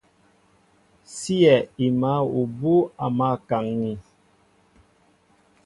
Síyɛ í máál ubú' a mǎl kaŋ̀ŋi.